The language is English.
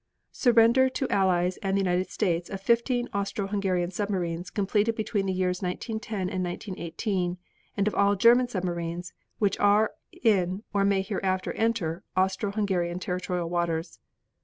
Surrender to Allies and the United States of fifteen Austro Hungarian submarines completed between the years 1910 and 1918 and of all German submarines which are in or may hereafter enter Austro Hungarian territorial waters.